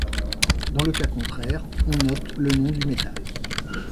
Dans le cas contraire, on note le nom du métal.